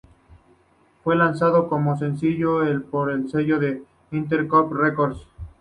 Fue lanzado como sencillo el por el sello Interscope Records.